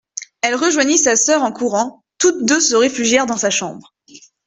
Elle rejoignit sa soeur en courant, toutes deux se réfugièrent dans sa chambre.